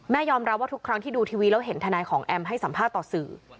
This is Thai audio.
ยอมรับว่าทุกครั้งที่ดูทีวีแล้วเห็นทนายของแอมให้สัมภาษณ์ต่อสื่อ